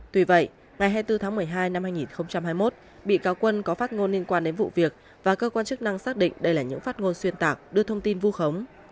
tuy vậy ngày hai mươi bốn tháng một mươi hai năm hai nghìn hai mươi một bị cáo quân có phát ngôn liên quan đến vụ việc và cơ quan chức năng xác định đây là những phát ngôn xuyên tạc đưa thông tin vu khống